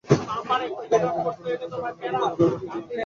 বিনোদিনী কহিল, তুমি জান না–এ তোমারই আঘাত–এবং এ আঘাত তোমারই উপযুক্ত।